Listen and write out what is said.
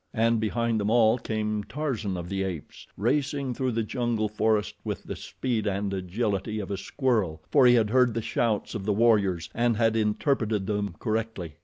And behind them all came Tarzan of the Apes, racing through the jungle forest with the speed and agility of a squirrel, for he had heard the shouts of the warriors and had interpreted them correctly.